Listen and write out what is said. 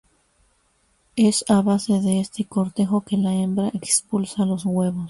Es a base de este cortejo que la hembra expulsa los huevos.